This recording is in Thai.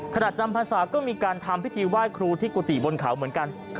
จำพรรษาก็มีการทำพิธีไหว้ครูที่กุฏิบนเขาเหมือนกัน